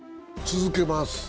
続けます。